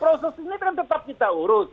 proses ini kan tetap kita urus